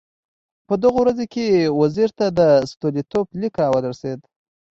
په دغو ورځو کې وزیر ته د ستولیتوف لیک راورسېد.